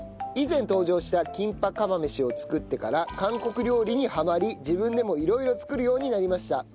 以前登場したキンパ釜飯を作ってから韓国料理にハマり自分でも色々作るようになりました。